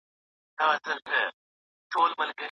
بیا پر خیالي کوثر جامونه ښيي